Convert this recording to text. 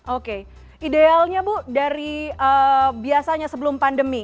oke idealnya bu dari biasanya sebelum pandemi